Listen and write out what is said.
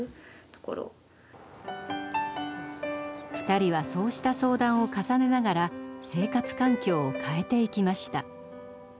２人はそうした相談を重ねながら生活環境を変えていきました。